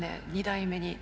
２台目に。